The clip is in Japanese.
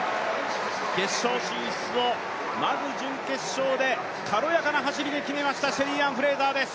決勝進出をまず準決勝で軽やかな走りで決めましたシェリーアン・フレイザーです。